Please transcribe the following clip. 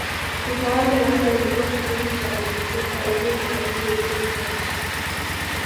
Utawala wake ulikuwa kipindi cha udikteta ulioharibu uchumi wa nchi